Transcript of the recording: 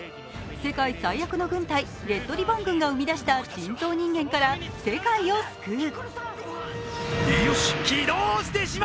世界最悪の軍隊レッドリボン軍が生み出した人造人間から世界を救う。